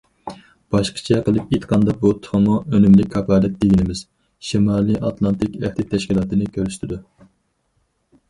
باشقىچە قىلىپ ئېيتقاندا، بۇ تېخىمۇ ئۈنۈملۈك كاپالەت دېگىنىمىز شىمالىي ئاتلانتىك ئەھدى تەشكىلاتىنى كۆرسىتىدۇ.